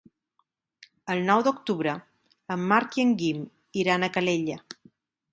El nou d'octubre en Marc i en Guim iran a Calella.